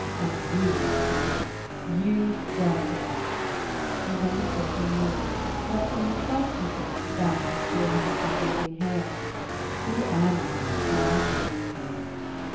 " And you," he said, " you quell it all." And then he spoke no more ; but to himself he said, bowing his forehead on her yielding hair, " Who am I, that I should win her?